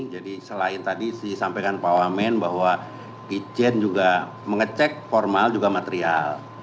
jadi selain tadi disampaikan pak wamen bahwa irjen juga mengecek formal juga material